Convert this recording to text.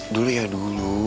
dulu ya dulu